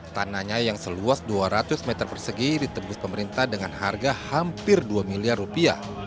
tanahnya yang seluas dua ratus meter persegi ditebus pemerintah dengan harga hampir dua miliar rupiah